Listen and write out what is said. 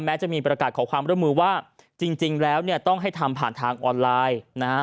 จะมีประกาศขอความร่วมมือว่าจริงแล้วเนี่ยต้องให้ทำผ่านทางออนไลน์นะฮะ